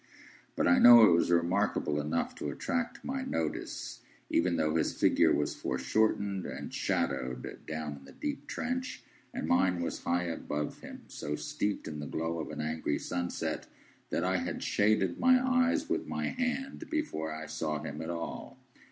But I know it was remarkable enough to attract my notice, even though his figure was foreshortened and shadowed, down in the deep trench, and mine was high above him, so steeped in the glow of an angry sunset, that I had shaded my eyes with my hand before I saw him at all.